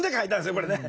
これね。